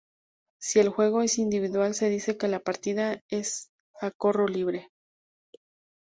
Si el juego es individual se dice que la partida es a corro libre.